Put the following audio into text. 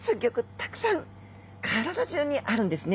たくさん体中にあるんですね。